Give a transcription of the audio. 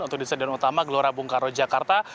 untuk di stadion utama gelora bung karno jakarta